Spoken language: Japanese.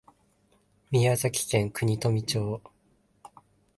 宮崎県国富町